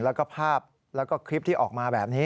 แล้วก็ภาพแล้วก็คลิปที่ออกมาแบบนี้